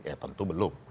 ya tentu belum